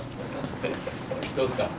どうっすか？